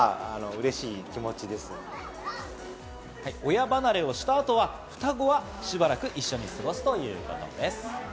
親離れをした後は、双子はしばらく一緒に過ごすということです。